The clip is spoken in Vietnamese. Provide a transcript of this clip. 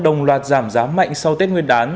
đồng loạt giảm giá mạnh sau tết nguyên đán